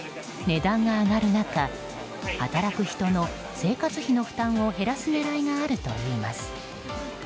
値段が上がる中働く人の生活費の負担を減らす狙いがあるといいます。